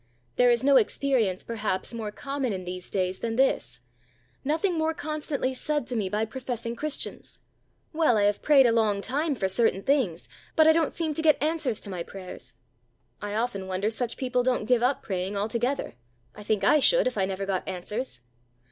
There is no experience, perhaps, more common in these days than this, nothing more constantly said to me by professing Christians: "Well, I have prayed a long time for certain things, but I don't seem to get any answers to my prayers." I often wonder such people don't give up praying altogether I think I should if I never got answers.